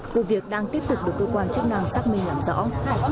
vụ việc đang tiếp tục được cơ quan chức năng xác minh làm rõ